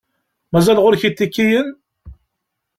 Mazal ɣur-k itikiyen?